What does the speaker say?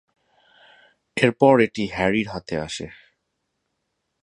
এরপর এটি হ্যারির হাতে আসে।